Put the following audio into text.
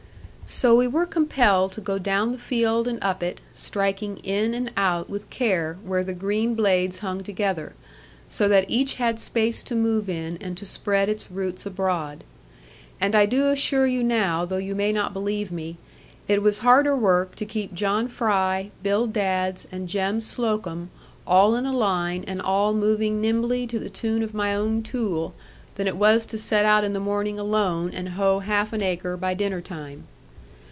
So we were compelled to go down the field and up it, striking in and out with care where the green blades hung together, so that each had space to move in and to spread its roots abroad. And I do assure you now, though you may not believe me, it was harder work to keep John Fry, Bill Dadds, and Jem Slocomb all in a line and all moving nimbly to the tune of my own tool, than it was to set out in the morning alone, and hoe half an acre by dinner time.